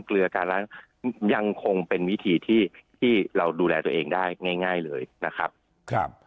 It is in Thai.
เกลือการล้างยังคงเป็นวิธีที่ที่เราดูแลตัวเองได้ง่ายง่ายเลยนะครับครับ